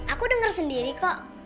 aku denger sendiri kok